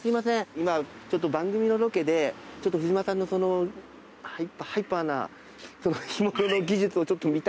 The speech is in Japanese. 今ちょっと番組のロケでちょっとふじまさんのそのうハイパーな干物の技術をちょっと見たいんですけど。